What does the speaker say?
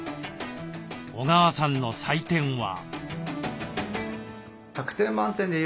小川さんの採点は。